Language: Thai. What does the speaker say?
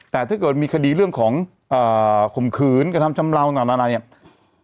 แต่ถ้าเกิดมีคดีเรื่องของข่มขืนกระทำชำเลาต่างนานาเนี่ย